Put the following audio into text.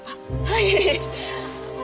はい。